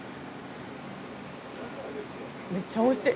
めっちゃおいしい！